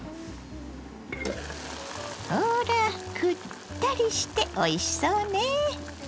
ほらくったりしておいしそうね。